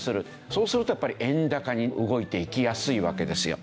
そうするとやっぱり円高に動いていきやすいわけですよ。